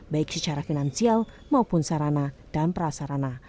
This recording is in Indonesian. baik secara finansial maupun sarana dan prasarana